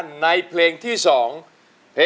สวัสดีครับ